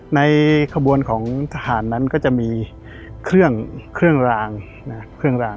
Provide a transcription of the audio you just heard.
ในขบวนของทหารนั้นก็จะมีเครื่องราง